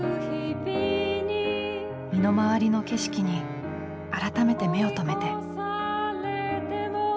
身の回りの景色に改めて目を留めて。